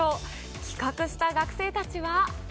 企画した学生たちは。